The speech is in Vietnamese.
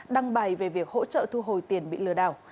đăng bài về việc hỗ trợ thu hồi tiền bị lừa đảo